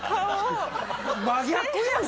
真逆やんか。